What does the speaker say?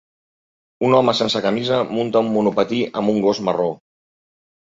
Un home sense camisa munta un monopatí amb un gos marró